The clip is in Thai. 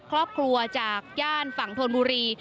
ครอบครัวจากย่านฝั่งธนบุรี